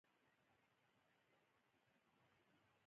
د افغان کرکټ لوبغاړي د خپلو همتونو او هڅو لپاره پاملرنه ترلاسه کوي.